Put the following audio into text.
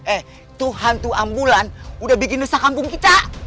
eh tuh hantu ambulan udah bikin nusa kampung kita